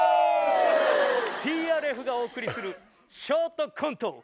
ＴＲＦがお送りするショートコント！